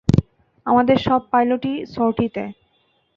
আমাদের সব পাইলটই সর্টিতে।